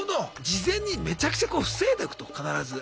事前にめちゃくちゃこう防いでおくと必ず。